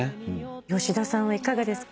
吉田さんはいかがですか？